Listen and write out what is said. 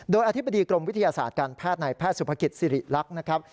โดยอธิบดีกรมวิทยาศาสตร์การแพทย์ในแพทย์สุภกิจสิริรักษ์นะครับ